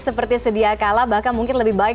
seperti sedia kala bahkan mungkin lebih baik